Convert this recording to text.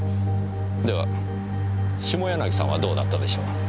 では下柳さんはどうだったでしょう。